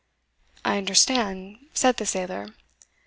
"I understand," said the sailor.